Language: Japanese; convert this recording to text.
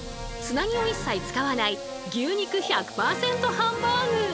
つなぎを一切使わない牛肉１００％ハンバーグ。